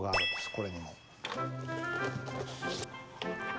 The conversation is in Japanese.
これにも。